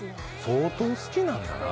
相当好きなんだな。